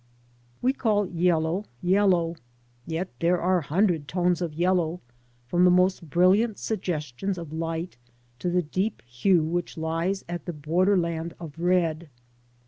We call yellow, yellow; yet there are a hundred tones of yellow, from the most brilliant suggestions of light, to the deep hue which lies on the border land of red.